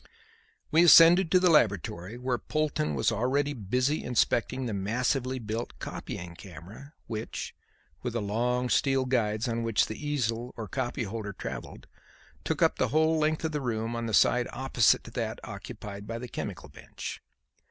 We ascended to the laboratory, where Polton was already busy inspecting the massively built copying camera which with the long, steel guides on which the easel or copy holder travelled took up the whole length of the room on the side opposite to that occupied by the chemical bench.